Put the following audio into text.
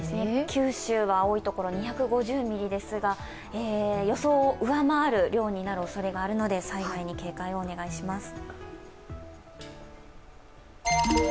九州は多い所で２５０ミリですが予想を上回るようになるおそれがあるので災害に警戒をお願いします。